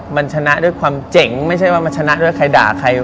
มันชนะด้วยความเจ๋งไม่ใช่ว่ามันชนะด้วยใครด่าใคร